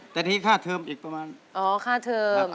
แต่นี่ค่าเทิมอีกประมาณอ๋อค่าเทอม